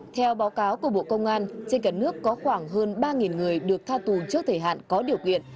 theo báo cáo của bộ công an trên cả nước có khoảng hơn ba người được tha tù trước thời hạn có điều kiện